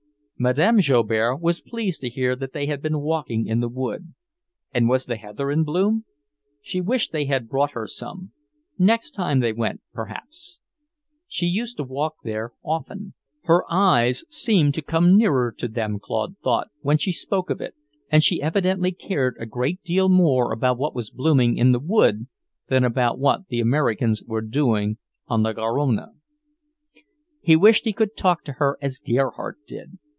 Madame Joubert was pleased to hear that they had been walking in the wood. And was the heather in bloom? She wished they had brought her some. Next time they went, perhaps. She used to walk there often. Her eyes seemed to come nearer to them, Claude thought, when she spoke of it, and she evidently cared a great deal more about what was blooming in the wood than about what the Americans were doing on the Garonne. He wished he could talk to her as Gerhardt did.